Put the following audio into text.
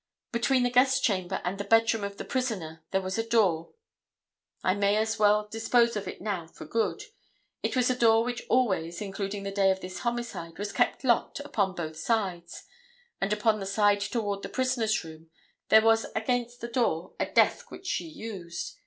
Between the guest chamber and the bedroom of the prisoner there was a door. I may as well dispose of it now for good. It was a door which always, including the day of this homicide, was kept locked upon both sides, and upon the side toward the prisoner's room there was against the door a desk which she used.